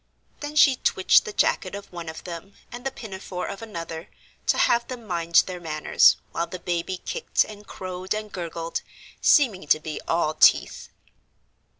Then she twitched the jacket of one of them, and the pinafore of another, to have them mind their manners, while the baby kicked and crowed and gurgled, seeming to be all teeth.